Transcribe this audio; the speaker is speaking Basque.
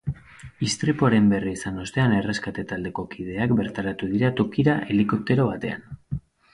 Istripuaren berri izan ostean, erreskate taldeko kideak bertaratu dira tokira helikoptero batean.